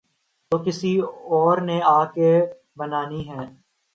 تو کسی اور نے آ کے بنانی ہیں۔